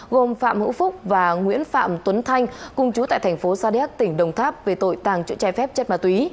gồm phạm hữu phúc và nguyễn phạm tuấn thanh cùng chú tại thành phố sa đéc tỉnh đồng tháp về tội tàng trữ trái phép chất ma túy